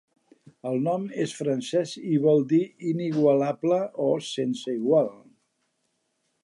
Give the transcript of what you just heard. El nom és francès i vol dir "inigualable" o "sense igual".